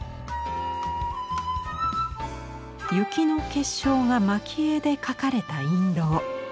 雪の結晶が蒔絵で描かれた印籠。